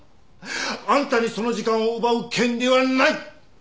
あんたにその時間を奪う権利はない！